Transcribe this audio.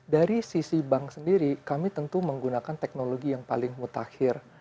dari sisi bank sendiri kami tentu menggunakan teknologi yang paling mutakhir